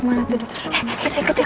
kemana tuh dokter